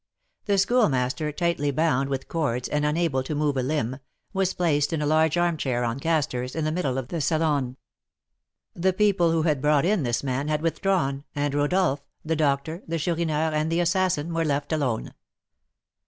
The Schoolmaster, tightly bound with cords, and unable to move a limb, was placed in a large armchair on casters, in the middle of the salon. The people who had brought in this man had withdrawn, and Rodolph, the doctor, the Chourineur, and the assassin were left alone.